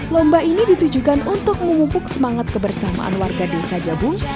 lomba ini ditujukan untuk memupuk semangat kebersamaan warga desa jabung